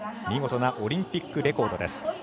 見事なオリンピックレコードです。